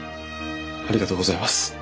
ありがとうございます。